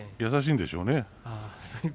優しいんでしょうね。